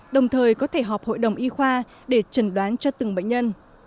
đồng thời có thể họp hội đồng y khoa để trần đoán cho từng bệnh nhân